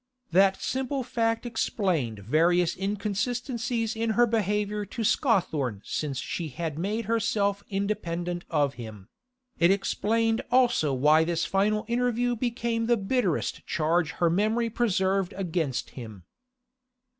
That simple fact explained various inconsistencies in her behaviour to Scawthorne since she had made herself independent of him; it explained also why this final interview became the bitterest charge her memory preserved against him.